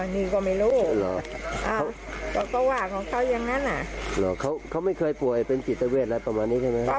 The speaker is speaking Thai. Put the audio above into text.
อ่อนี่ก็ไม่รู้เขาเขาว่าของเขายังงั้นอ่ะเขาเขาไม่เคยป่วยเป็นจิตเวทแล้วประมาณนี้ใช่ไหมครับ